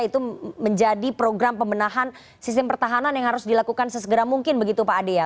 itu menjadi program pembenahan sistem pertahanan yang harus dilakukan sesegera mungkin begitu pak ade ya